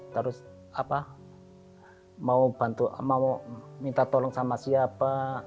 terus apa mau minta tolong sama siapa